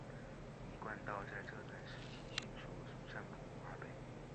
一贯道在这段时期迅速散布华北。